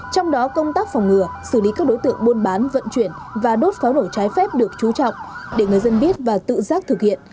trong đó công tác phòng ngừa xử lý các đối tượng buôn bán vận chuyển và đốt pháo nổ trái phép được chú trọng để người dân biết và tự giác thực hiện